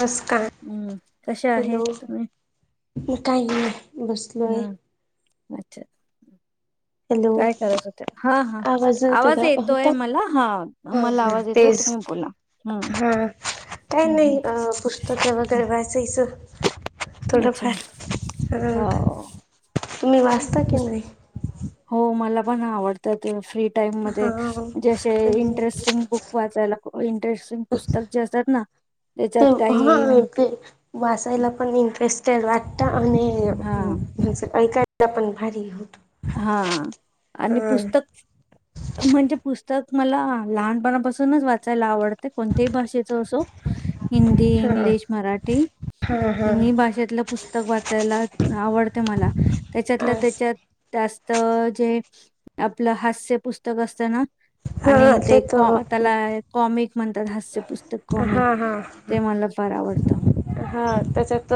नमस्कार हम्म कसे आहेत हॅलो तुम्ही? काही नाही बसलोय हा अच्छा हॅलो काय करात होत्या हा हा आवाज का हो येतोय का मला हा हा मला हा आवाज येतोय तुम्ही तेच बोला. हम्म हा का हम्म हम्म नाही अ पुस्तक वगैर वाचायच हम्म. अच्छा थोडफार हो. तुम्ही वाचता की नाही हो मला पण आवडतात फ्री टाइम म्हाणजेे हा अशे म्हणजे इंटरेस्टिंग बुक वाचायला इंटरेस्टिंग पुस्तक जे असतात ना ते त्याच्यात हा काही हा ते वाचायला पण इंटरेस्ट त्या वाटता आणि हा म्हण सकाळी ऐकायला पण भारी होतो हा आणि पुस्तक म्हणजे पुस्त तर तूम्हाला लहानपणापासूनच वाचायला आवडते कोणत्याही भाषेच असो हिंदी हा इंग्लिश मराठी हा तिन्ही हा भाषेतल पुस्तक वाचायला आवड मला त्याच्यातल त्याच्यात जास्त जे आपल हास्य पुस्तक असत ना त्या आणि हा ते कॉ तर त्याला कॉमिक म्हणतात हास्य पुस्तक कॉमिक हा हा ते मला फार आवडत हा त्याच्यात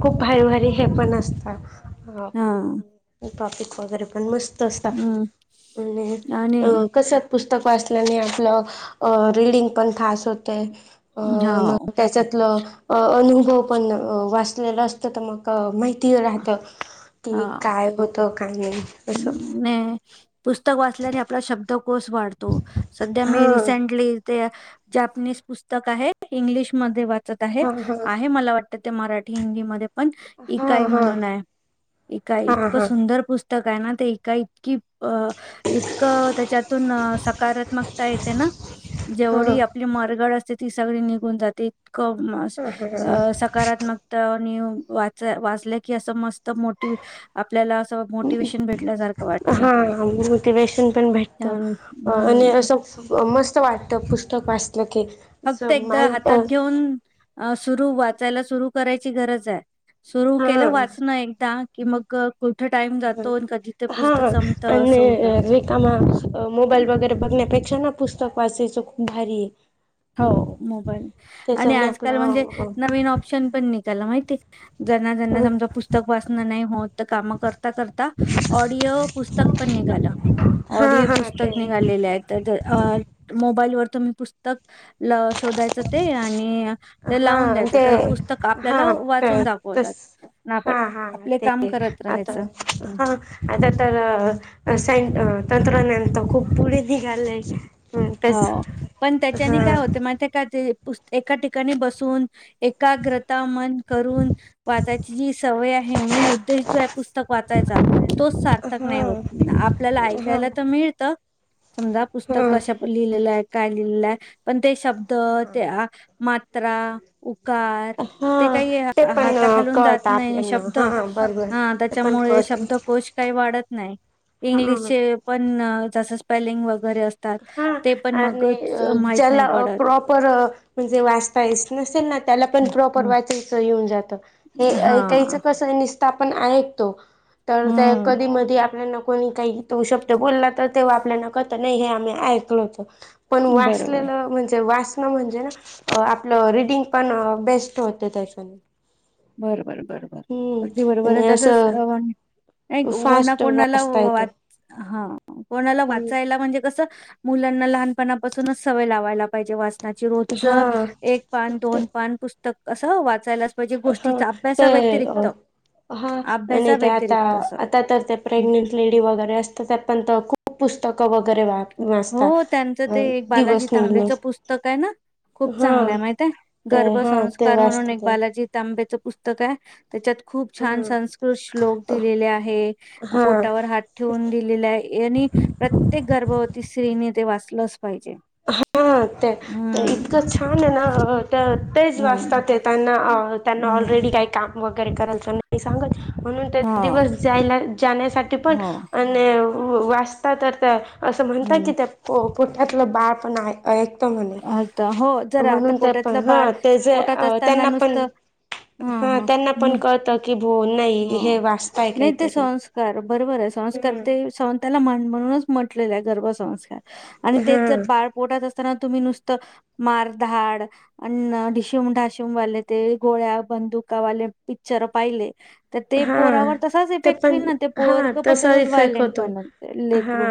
खूप भारीभारी हे पण असत अ हा अ टॉपिक वगैरे पण मस्त नसता हम्म आणि अ आणि कस पुस्तक वाचल्याने आपल अ रीडिंग पण खास होते अ हा मग त्याच्यातल अनुभव पण वाचलेल असत तर मग माहिती राहत की काय होत हम्म् ने पुस्तक वाचल्याने आपला शब्दकोस वाढतो सध्या हा मी रिसेंटली ते जपनीज पुस्तक आहे इंग्लिश मध्ये वाचत आहे हा हा. आहे मला वाट ते मराठी हिंदी मध्ये पण हा इकाय हा म्हणून आहे इकाय हा इतकं सुंदर पुस्तक काय ना तेका इतकी अ इतकं त्याच्यातून सकारात्मकता येते ना हा हा. जेवढी आपली मरगळ असते ती सगळी निघून जाते इतकं सकारात्मकता की अस मस्त मोठी आपल्याला अस हा मोटिवेशन पण भेटत त्यान आणि हम्म. असं मस्त वाटत पुस्तक वाचत फक्त एकदा हातात घेऊन सुरू वाचायला सुरु करायची गरज आहे सुरू केलं हा वाचणं एकदा कि मग कुठं टाईम जातो आणि कधी ते हा पुस्तक संपतं आणि असं होऊन जातं. रिकामा मोबाईल वगैरे बघ त्यापेक्षा ना पुस्तक वाचायचं खूप भारी आहे हो मोबाईल आणि त्याच्याने आजकाल म्हणजे आपलं नवीन ऑप्शन पण निघाला माहिती जना जना समजा पुस्तक वाचणं नाही होत काम करता करता ऑडिओ पुस्तक पण निघाला हा ऑडिओ हा पुस्तक ते पण निघाला पुस्तक ल शोधायच ते लावून हा ते द्यायचं पुस्तक आपल्याला हा ते वाचून दाखवतात तस नाण हा हा ते आता हा आता तर स स्वतंत्रज्ञान खूप पुढे निघालेय हो पण त्याच्याने काय होते माहित का ते एका ठिकाणी बसून एकाग्रता मन करून वाचायची जी सवय आहे मेन उद्देश जो आहे पुस्तक वाचायचा तोच सार्थक नाही हा होत आपल्याला ऐकायला तर मिळत समजा पुस्तक कशाण लिहिलेलं आहे काय लिहिलेलं आहे पण ते शब्द ते मात्रा उकार हा ते हा काही ते पण हाताखा जात कळतं नाही आपल्याना शब्द हा बरोबर हा ते पण त्याच्यामुळे कळत शब्दकोश काही वाढत नाही हा इंग्लिशचे पण जसं स्पेलिंग वगैरे असतात हा ते पण आणि मगच माहित नाही ज्याला पडत प्रॉपर म्हणजे वाचता यच नसेल ना त्याला पण हम्म, प्रॉपर हम्म. वाचायचं येऊन जात हा हेऐकायचं कसं निस्थापन आहे तो तर ते कधी हम्म मधी आपल्याना कोणी काही तो शब्द बोलला तर तेव्हा आपल्याना कत नाही हे मी ऐकलं होतं पण वाचलं बरोबर ना मी वाचलं म्हणजे आपलं रीडिंग पण बेस्ट होते त्या बरोबर बरोबर अगदी बरोबर आहे आणि तसच असं अ नाही कोना फास्ट कोणाला वाचता येतं. वाच हा कोणाला हम्म वाचायला म्हणजे कसं मुलांना लहानपणापासूनच सवय लावायला पाहिजे वा ना रोजच हा एक पान ते दोन पान पुस्तक असं वाचायलाच पाहिजे. हा गोष्टीचा ते अभ्यासा अ. व्यतिरिक्त. हा आणि अभ्यासा ते आता व्यतिरिक्त असं. आता तर ते प्रेग्नेंट लेडी वगैरे असत त्या पण खूप. पुस्तकं वगैरे वा वाचता हो त्यांचं ते अ एक बालाजी दिवस तांबेचं निघण्यास पुस्तक आहे ना. खूप हा चांगलं आहे माहित आहे, ते हा ते गर्भसंस्कार म्हणून वाचत एक ते बालाजी तांबेचं पुस्तक आहे. त्याच्यात खूप छान संस्कृत श्लोक दिलेले आहे, हा पोटावर हात ठेवून दिलेले आहे. यांनी प्रत्येक गर्भवती स्त्रीने ते वाचलंस हा ते इतकं छान आहे ना. तर तेच हम्म. वाचतात ते त्यांना त्यांना हम्म ऑलरेडी काही काम वगैरे करायचं नाही सांगत म्हणून हा दिवस जायला जाण्यासाठी पण हो आणि वा वाचता तर त्या असं म्हणतात हम्म की, त्या पो पोट्यातलं बाळ पन हाय. ऐकत म्हणे आता हो जरा आता म्हणून ते पण पोटातलं बाळ हा ते जे पोटात असताना त्यांना पण नुसतं ह हा त्यांना पण ह कळत की. भो नाही हो हे वाचताय नाही ते काहीतरी संस्कार बरोबर आहे, संस्कार ते संताला मा मान म्हणूनच. म्हटले गर्भसंस्कार आणि तेच जर हां बाळ पोटात असताना. तुम्ही नुसतं मार धाड अ् ढिशम ढाशीम वाल ते गोळ्या बंदूक. वाले पिक्चर पाहिले. तर ते हां पोहरावर तसाच ते इफेक्ट पण होईल ना ते पोर हां पण तसा तसाच इफेक्ट व्हायलेंट होतो पण हा लेकरू.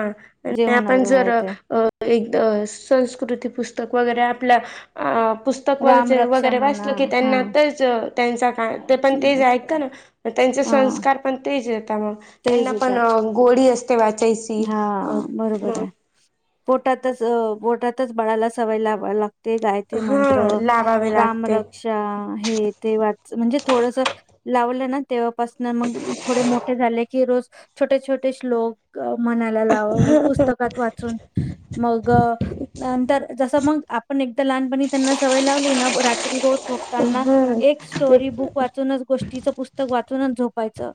जे होणार आहे ते. त संस्कृती पुस्तक वगैरे आपल्या आ. पुस्तक वग राम रक्षा वगैरे म्हणा वाचलं की, त्यांना हा. तेच. त्यांच काय ते पण तेज ऐका ना त्यांचे हा संस्कार पण तेज आहेत. त्यामुळे त्यांना तेच पण येतात गोडी असते वाचायची हा अ बरोबर म. आहे. पोटातच पोटातच बाळाला सवय लावा लागत. ते गायत्री मंत्र हा लावावे राम लागते रक्षा हे ते वाच म्हणजे थोडस. लावलं ना तेव्हापासून मग थोडे मोठे झाले की रोज छोटे छोटे श्लोक. मनाला लावून पुस्तकात वाचून मग. नंतर जसं मग आपण एकदा लहानपणी त्यांना सवय लावली ना रात्री रोज झो त्यांना हा एक ते स्टोरी बुक वाचूनच गोष्टीचं पुस्तक वाचूनच झोपायचं.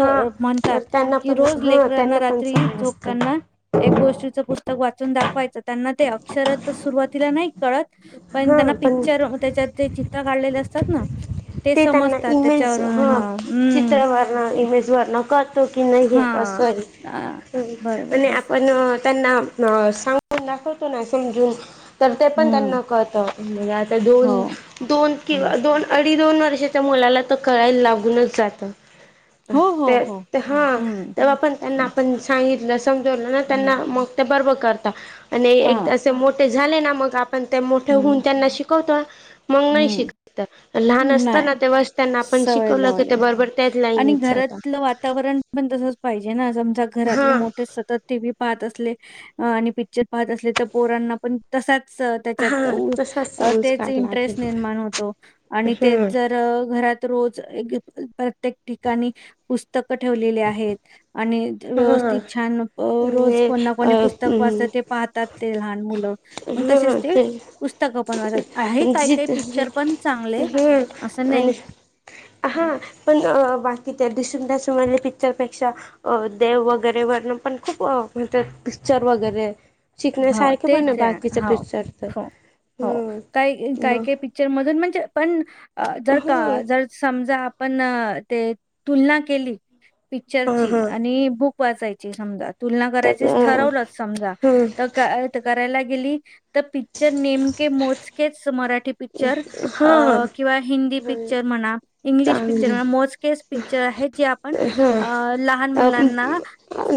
हा तर म्हणतात त्यांना की, पण रोज हा लेकरना त्यांना रात्री. पण चांगलं असतं झोपताना एक गोष्टीच पुस्तक वाचि वाचून दाखवायच त्यांना ते अक्षर सुरुवातीला नाही कळत. पण हा त्यांना पण पिक्चर त्याच्या ते चित्र काढलेले असतात ना. ते त्यांना समजतात इमेज त्याच्यावरून हा हम्म चित्रवरण ते- इमेज कळ की नाही हा सॉरी अ बरोबर म्ह आपण त्यांना. अ सांगून दाखवतो नाही समजून. तर ते पण हम्म त्यांना कळत आता हो दोन दोन हम्म किंवा दोन. अ दोन वर्षाच्या मुलाला त कळायला लागूनच जात. हो हो हो हा हम्म तेव्हा पण त्यांना आपण सांगितलं. समजलं ना मग त्यांना हम्म ते बर्ब कर हा आणि असे मोठे झाले ना मग आप पण ते मोठे होऊन हम्म त्यांना शिकवतो. मग नाही हम्म शिकवत. नाही सवय की ते लावलेल बरोबर त्याच आणि लाईनीत जाता घरातलं वातावरण पण तसच पाहिजे. समजा घरातले हा मोठे सतत टी व्ही पाहत असले आणि पिक्चर पाहत असले तर पोरांना पण तसाच. स त्याच्यात हा तसाच ते जे संस्कार लागेल निर्माण होतो आणि तेच हम्म जर घरात रोज. एक एक प्रत्येक ठिकाणी पुस्तकं ठेवलेली आहेत. आणि हा व्यवस्थित छान रोज आणि कोणना अ कोणी पुस्तक वाचत ते पाहतात ते लहान मुलं मग तसेच ते पुस्तक पण वात आहेत ह असं आणि नाही. हां पण बाकी त्या दिसूनसून पिक्चरपेक्षा अ देव वगैरे वण पण खूप म्हण पिक्चर वगैरे हो शिकण्यासारखे पण तेच आहे बाकीचे हो पिक्चर तर हो हो हम्म का काय मग काय पिक्चर मधून म्हणजे पण जर का ह जर समजा पण ते तुलना केली हा पिक्चरची हा आणि बुक वाचायची समजा तुलना तर करायचीच ठरवलच समजा हा तर क करायला गेली तर पिक्चर नेमके मोजकेच मराठी पिक्चर हा किंवा हिंदी पिक्चर म्हणा इंग्लिश पिक्चर चांगलं म्हणा मोजकेच पिकच्चर हे जे आपण लहान अ मुलांना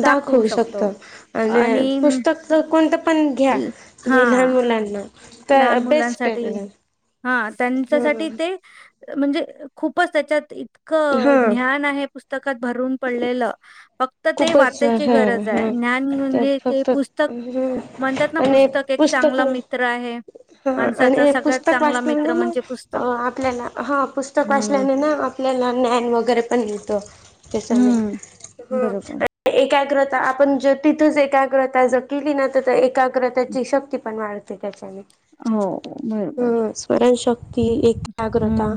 दाखवू शकतो आणि पुस्तक कोणतं पण घ्या तुम्ही हां. लहान मुलांना तर लहान बेस्ट मुलांसाठी आहे त हा त्यांच्यासाठी ते म्हणजे खूपच त्याच्यात ते इितकं हा ज्ञान आहे पुस्तकात भरून पडलेलं फक्त ते खूपच हा वाचायची गरज आहे हा ज्ञान तर म्हणजे ते फक्त पुस्तक ह म्हणतात ना आणि पुस्तक एक पुस्तक चांगला मित्र आहे हा माणसाचा आणि सगळ्यात पुस्तक चांगला वाचल्या मित्र ना म्हणजे पुस्तक आपल्याला हा पुस्तक हम्म वाचल्याने ना आप त्याला ज्ञान वगैरे पण येतो त्याच्याने हम्म बरोबर ह एकाग्रता आपण जर तिथंच एकाग्रता जर केली ना तर तर एकाग्रताची शक्ती पण वाढते त्याच्याने हो बरोबर हा स्मरण शक् ती एकाग्रता हम्म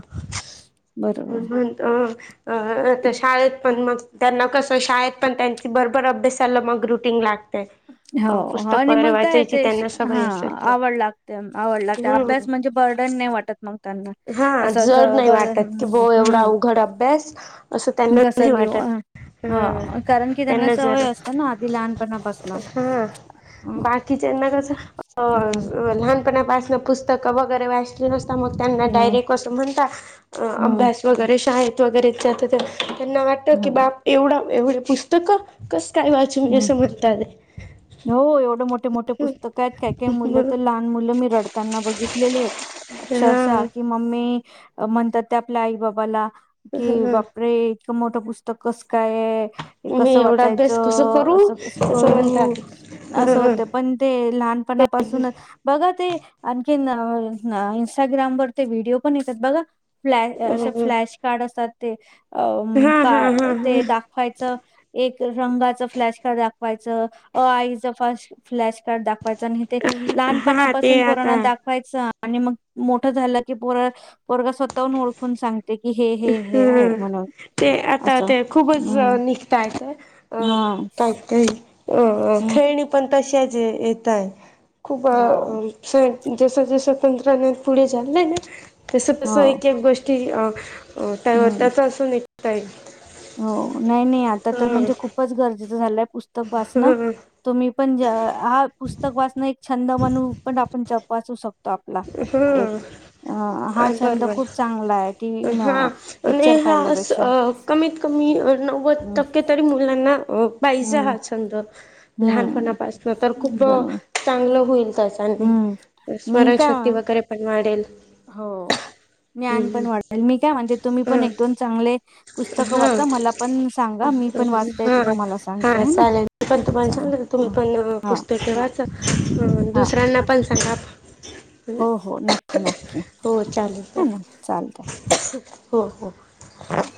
बरोबर अ अ आता शाळेत पण मग त्यांना कसं शाळेत पण त्यांची बरोबर अभ्यासला मग ग्रुटिंग लागते हो अ हो पुस्तक आणि वगैरे मग काय वाचायची ते त्यांना हा सवय असेल तर आवड लागते आवड लागते अभ्यास हम्म म्हणजे बर्डन नाही वाटत मग त्यांना हा असं ज जड नाही बर वाटत की बो एवढा हम् अवघड अभ्यास असं त्यांना नाही घसरली अ वाटत. हा ह कारण की त्यांना सवय असत ना आधी लहानपणापासून हा हम्म बाकीच्याना कस अ हम्म लहान पुस्तकं वगैरे वाचले नसताग त्यांना डायरेक्ट असं म्हणता हम्म अभ्यास वगैरे शाळेत वगैरे त्या तर ते त्यांना वाटतं की हम्म बाप एवढं एवढे पुस्तकं कस काय वाचून असं म्हणतात आहे ह हो एवढं मोठे मोठे पुस्तक आहेत काय काय मुलं मग तर लहान मुलं मी रडताना बघितलेले आहेत अक्षरशः जनं कि मम्मी म्हणतात ते आपल्या आई बाबाला की ह बापरे मोठं पुस्तक कस कायय मी कसं एवढा वाचायचं अभ्यास कस करू असं करू अस होत म्हणतात पण ते ह लहानपणापासूनच बघ ते आणखी इनस्टाग्राम वर ते व्हिडिओ पण येतात बघा फ्लॅश असे हा फ्लॅश कार्ड असतात ते अ का हा हा ते दाखवायचं एक रंगाच फ्लॅश कार्ड दाखवायचं आईच फ फ्लॅश कार्ड दाख आणि ते हा हा ते लहानपणापासून आता पुरणात दाखवायच आणि मग मोठं झालं की पोर पोरगा स्वतःहून ओळखून सांग हम ते आता असं ते खूपच हम्म निघतय ते अ हा काहीतरी अ हम्म खेळणी पण तशाच येतय खूप हो जस जसं तंत्रज्ञान पुढे झालंय ना तसं हो तसं एक एक गोष्टी त्या हम्म त्याचा असून एक हो नाही नाही आता तर म्हणजे खूपच गरजेचं झालंय पुस्तक वाचणं तुम्ही पण जेव्हा हा पुस्तक वाचणं एक छंद म्हणू पण आपण चप वाचू शकतो आपला ह एक अ हा छंद खूप चांगलाय टी व्ही हा म पिक्चर पाहिल्यापेक्षा क मी नव्वद हं, टक्के तरी मुलांना अं पाहिजे हं, हा छंद लहान हं. पणा पासन तर खूप द बरोबर. चांगलं होईल त्याचं आणि हं. मी स्मरण श काय पण वाढेल. हो. ज्ञान पण वाढेल मी काय म्हणते तुम्ही पण ह एक दोन चांगले पुस्तक हा वाचा मला पण सांगा मी पण वाचतय ते हा तुम्हाला सांगते हा ह ना चालेल मी पण तुम्हाला चला ह हा. अं दुसऱ्यांना पण सांगा हो, हो. नक्की, नक्की. हो चालेल हा ना चालेल हो हो. हम्म.